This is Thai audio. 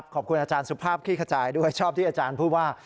ขอบคุณอาจารย์สุภาพคลี่ขจายด้วยชอบที่อาจารย์พูดว่า